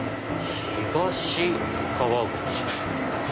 東川口。